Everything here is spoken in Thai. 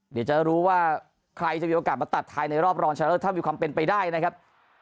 เดี๋ยวจะรู้ว่าใครจะมีโอกาสมาตัดไทยในรอบรองชะเลิศถ้ามีความเป็นไปได้นะครับ